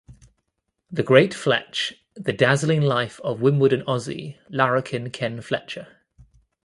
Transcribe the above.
"The Great Fletch: The Dazzling Life of Wimbledon Aussie Larrikin Ken Fletcher"